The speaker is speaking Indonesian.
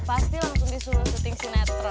pasti langsung disuruh syuting sinetron